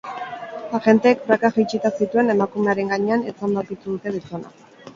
Agenteek prakak jaitsita zituen emakumearen gainean etzanda aurkitu dute gizona.